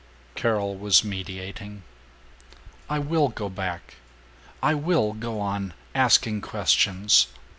Carol was mediating, "I will go back! I will go on asking questions.